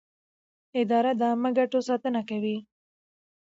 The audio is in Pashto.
اداره د عامه ګټو ساتنه کوي.